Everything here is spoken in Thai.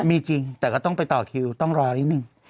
มีจริงแต่ก็ต้องไปต่อคิวต้องรอนิดนึง